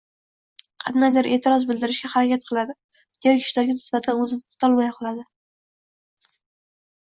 Qandaydir e’tiroz bildirishga harakat qiladi, jerkishlarga nisbatan o‘zini tutolmay qoladi